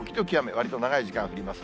わりと長い時間降ります。